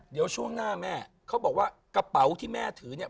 เดี๋ยวช่วงหน้าแม่เขาบอกว่ากระเป๋าที่แม่ถือเนี่ย